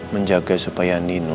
menjaga supaya nino